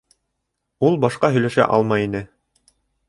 Ул башҡа һөйләшә алмай ине.